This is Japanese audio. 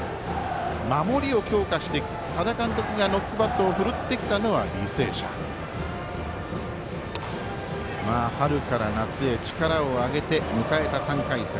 守りを強化して、多田監督がノックを振るってきたのは春から夏へ力を上げて迎えた３回戦。